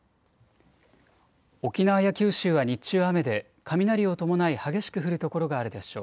沖縄や九州は日中、雨で雷を伴い激しく降る所があるでしょう。